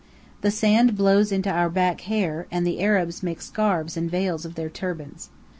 The sand blows into our back hair, and the Arabs make scarves and veils of their turbans.